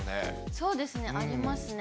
そうですね、ありますね。